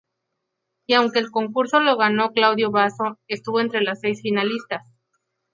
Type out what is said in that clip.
Y, aunque el concurso lo ganó Claudio Basso, estuvo entre las seis finalistas.